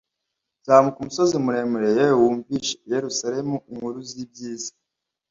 zamuka umusozi muremure yewe wumvishe i Yerusalemu inkuru z'ibyiza,